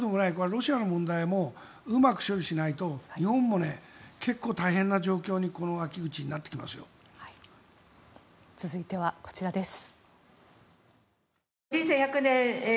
ロシアの問題もうまく処理しないと日本も結構、大変な状況にこの秋口続いてはこちらです。